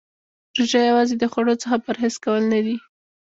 روژه یوازې د خوړو څخه پرهیز کول نه دی .